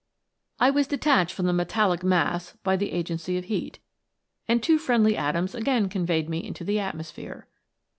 " I was detached from the metallic mass by the agency of heat, and two friendly atoms again con veyed me into the atmosphere.